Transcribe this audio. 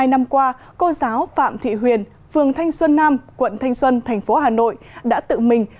hai mươi năm qua cô giáo phạm thị huyền phường thanh xuân nam quận thanh xuân thành phố hà nội đã tự mình